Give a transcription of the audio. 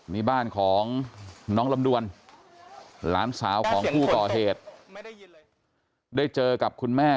นี่บ้านของน้องลำดวนหลานสาวของผู้ก่อเหตุได้เจอกับคุณแม่